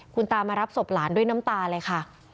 คุณตามารับศพหลานด้วยน้ำตาเลยค่ะ